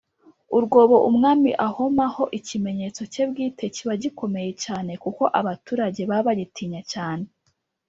urwobo Umwami ahomaho ikimenyetso cye bwite kiba gikomeye cyane kuko abaturage baba bagitinya cyane